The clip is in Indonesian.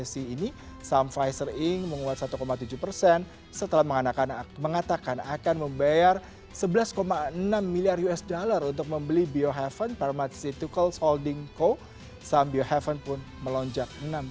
sampai jumpa di video selanjutnya